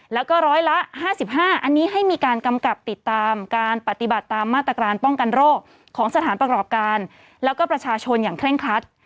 แล้วก็ร้อยละ๕๕อันนี้ให้มีการกำกับติดตามการปฏิบัติตามมาตรการป้องกันโรคของสถานประกอบการแล้วก็ประชาชนอย่างเคร่งครัด